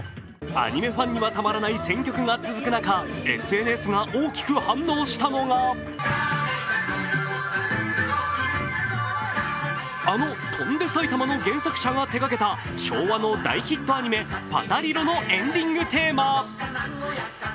アニメファンにはたまらない選曲が続く中、ＳＮＳが大きく反応したのがあの「翔んで埼玉」の原作者が手がけた昭和の大ヒットアニメ「パタリロ！」のエンディングテーマ。